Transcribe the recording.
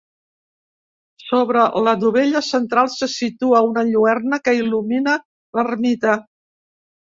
Sobre la dovella central se situa una lluerna que il·lumina l'ermita.